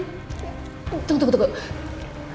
tunggu tunggu tunggu